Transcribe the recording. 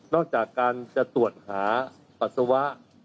อกจากการจะตรวจหาปัสสาวะ